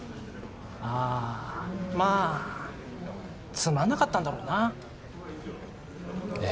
ああまあつまんなかったんだろうなええ